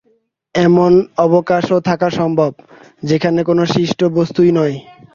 এমন অবকাশও থাকা সম্ভব, যেখানে কোন সৃষ্ট বস্তুই নাই।